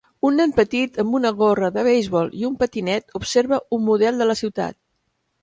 Un nen petit amb una gorra de beisbol i un patinet observa un model de la ciutat.